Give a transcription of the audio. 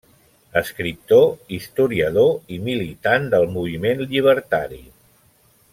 Escriptor, historiador i militant del moviment llibertari.